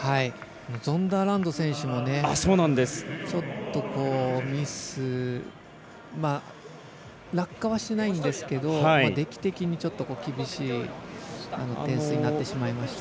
ゾンダーランド選手もちょっと、ミス落下はしてないんですけど厳しい点数になってしまいました。